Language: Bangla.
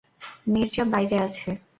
মির্জা বাইরে আছে?